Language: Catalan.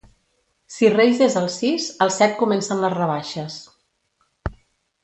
Si Reis és el sis, el set comencen les rebaixes.